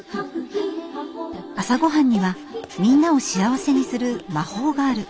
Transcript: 朝ごはんにはみんなを幸せにする魔法がある。